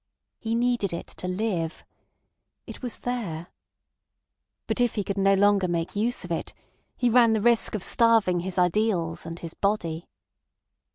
He needed it to live. It was there. But if he could no longer make use of it, he ran the risk of starving his ideals and his body